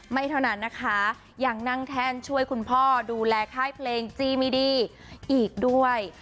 ไม่เท่านั้นนะคะยังนั่งแท่นช่วยคุณพ่อดูแลค่ายเพลงจีมิดีอีกด้วย